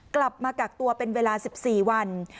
กลับมากักตัวเป็นเวลา๑๔วัน